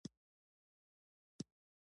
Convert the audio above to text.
دوی د افغان د آزادۍ لپاره هېڅ نه دي ولاړ.